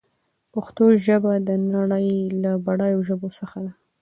پښتو ژبه د نړۍ له بډايو ژبو څخه ده.